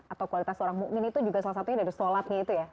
atau kualitas seorang mu'min itu juga salah satunya dari sholatnya itu ya